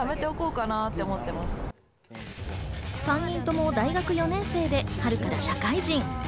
３人とも大学４年生で春から社会人。